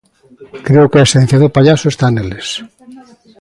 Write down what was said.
Creo que a esencia do pallaso está neles.